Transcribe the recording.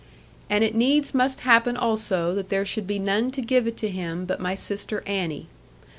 And it needs must happen also that there should be none to give it to him but my sister Annie.